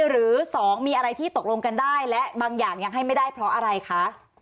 หรือ๒มีอะไรที่ตกลงกันได้และบางอย่างยังให้ไม่ได้เพราะอะไรคะ